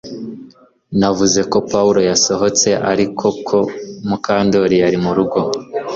Navuze ko Pawulo yasohotse ariko ko Mukandoli yari murugo